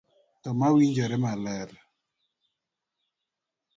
to mawinjore maler.